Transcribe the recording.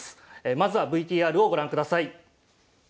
まずはＶＴＲをご覧ください。